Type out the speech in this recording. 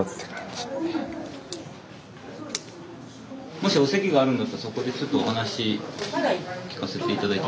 もしお席があるんだったらそこでちょっとお話聞かせて頂いても。